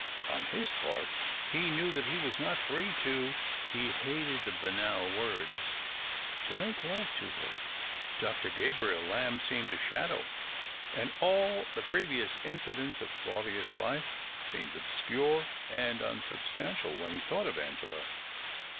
On his part he knew that he was not free to — he hated the banal words — to make love to her. Doctor Gabriel Lamb seemed a shadow, and all the previous incidents of Claudius's life seemed obscure and unsubstantial when he thought of Angela.